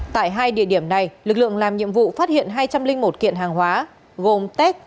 tại hai địa điểm này lực lượng làm nhiệm vụ phát hiện hai trăm linh một kiện hàng hóa gồm tét